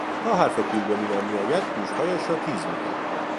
تا حرف پول به میان میآید گوشهایش را تیز میکند.